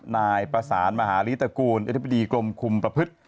นายประสานมหาลิตระกูลอธิบดีกรมคุมประพฤติ